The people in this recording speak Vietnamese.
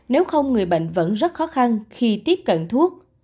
nếu không người bệnh vẫn rất khó khăn khi tiếp cận thuốc